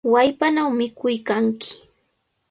¡Wallpanaw mikuykanki!